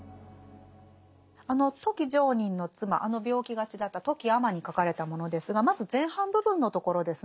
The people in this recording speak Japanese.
あの富木常忍の妻あの病気がちだった富木尼に書かれたものですがまず前半部分のところですね。